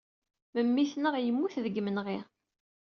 Memmi-tneɣ yemmut deg yimenɣi.